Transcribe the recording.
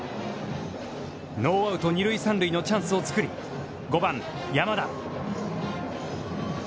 ノーアウト二塁三塁のチャンスを作り、５番山田。